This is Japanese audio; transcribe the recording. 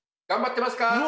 頑張ってますか？